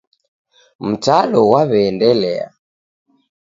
Mtalo ghwaw'eendelea.